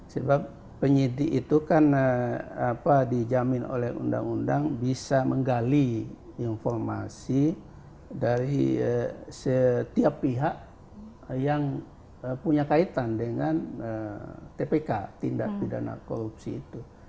sebab penyidik itu kan dijamin oleh undang undang bisa menggali informasi dari setiap pihak yang punya kaitan dengan tpk tindak pidana korupsi itu